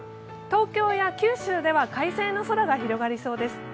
東京や九州では快晴の空が広がりそうです。